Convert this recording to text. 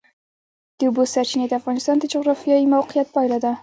د اوبو سرچینې د افغانستان د جغرافیایي موقیعت پایله ده.